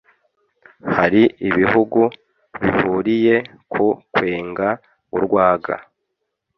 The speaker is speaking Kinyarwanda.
Hari ibihugu bihuriye ku kwenga urwaga